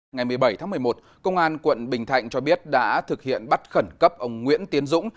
ngày một mươi bảy tháng một mươi một công an quận bình thạnh cho biết đã thực hiện bắt khẩn cấp ông nguyễn tiến dũng